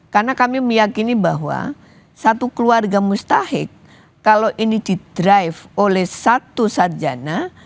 karena kami meyakini bahwa satu keluarga mustahik kalau ini didrive oleh satu sarjana